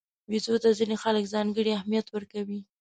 بیزو ته ځینې خلک ځانګړی اهمیت ورکوي.